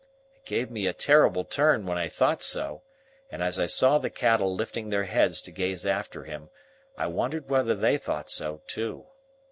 It gave me a terrible turn when I thought so; and as I saw the cattle lifting their heads to gaze after him, I wondered whether they thought so too.